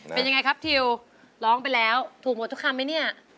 เป็นยังไงครับทิวร้องไปแล้วถูกหมดทุกคำไหมเนี่ย